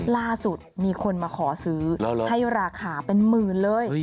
ล่าสุดมีคนมาขอซื้อให้ราคาเป็นหมื่นเลย